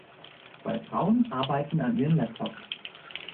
Zwei Frauen arbeiten an ihren Laptops.